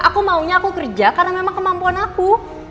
aku maunya aku kerja karena memang kemampuan aku